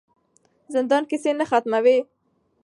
زندان کیسې نه ختموي.